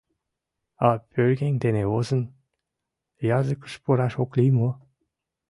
— А пӧръеҥ дене возын, языкыш пураш ок лий мо?!